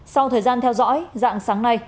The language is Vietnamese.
sau thời gian theo dõi dạng sáng nay